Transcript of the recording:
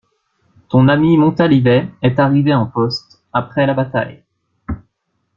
Ton ami Montalivet est arrivé en poste, après la bataille.